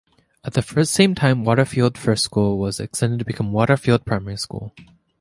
At the same time, Waterfield First School was extended to become Waterfield Primary School.